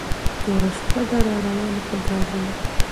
توره شپه ده را روانه په ګامونو